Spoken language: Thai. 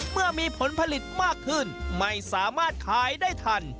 เมื่อมีผลผลิตมากขึ้นไม่สามารถขายได้ทัน